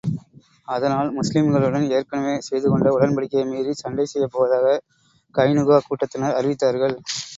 அதனால், முஸ்லிம்களுடன் ஏற்கனவே செய்து கொண்ட உடன்படிக்கையை மீறிச் சண்டை செய்யப் போவதாக கைனுகா கூட்டத்தினர் அறிவித்தார்கள்.